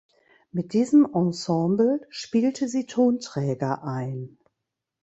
Mit diesem Ensemble spielte sie Tonträger ein.